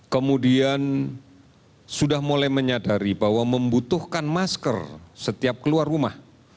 kemudian sudah mulai menyadari bahwa membutuhkan masker setiap keluar rumah